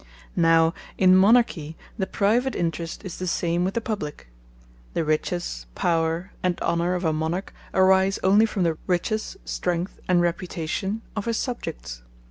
Now in Monarchy, the private interest is the same with the publique. The riches, power, and honour of a Monarch arise onely from the riches, strength and reputation of his Subjects.